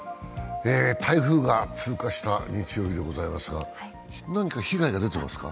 台風が通過した日曜日でございますが何か被害が出ていますか？